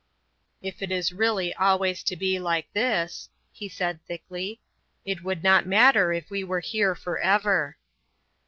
"If it is really always to be like this," he said, thickly, "it would not matter if we were here for ever."